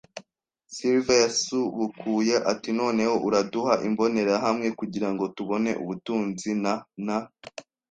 Silver yasubukuye ati: “Noneho. Uraduha imbonerahamwe kugirango tubone ubutunzi na, na